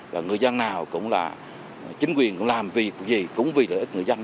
và người dân nào cũng là chính quyền làm việc gì cũng vì lợi ích người dân